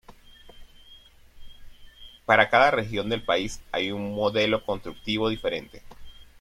Para cada región del país hay un modelo constructivo diferente.